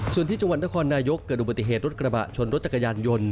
ส่วนที่จังหวัดนครนายกเกิดอุบัติเหตุรถกระบะชนรถจักรยานยนต์